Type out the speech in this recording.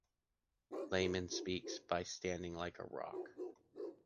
Layman speaks by standing like a rock: